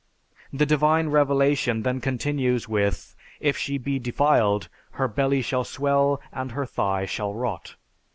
The divine revelation then continues with, "if she be defiled, her belly shall swell and her thigh shall rot."